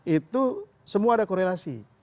itu semua ada korelasi